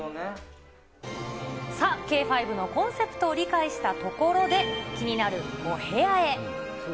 さあ、Ｋ５のコンセプトを理解したところで、気になるお部屋へ。